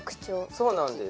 そうなんです。